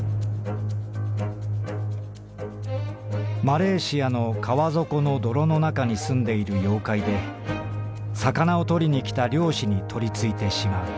「マレーシアの川底の泥のなかに棲んでいる妖怪で魚を捕りにきた漁師に取り憑いてしまう」。